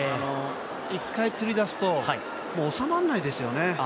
１回つりだすと、収まんないですよね。